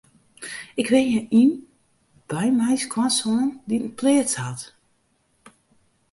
Ik wenje yn by my skoansoan dy't in pleats hat.